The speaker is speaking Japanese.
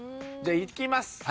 いきます。